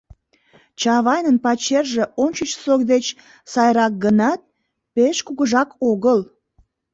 Чавайнын пачерже ончычсо деч сайрак гынат, пеш кугужак огыл.